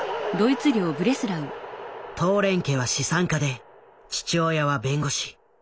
トーレン家は資産家で父親は弁護士。